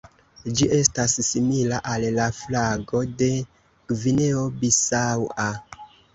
Ĝi estas simila al la flago de Gvineo Bisaŭa.